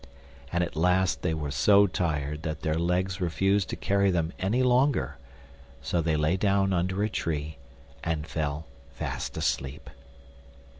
And at last they were so tired that their legs refused to carry them any longer, so they lay down under a tree and fell fast asleep.